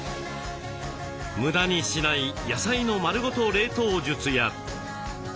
無駄にしない野菜のまるごと冷凍術や。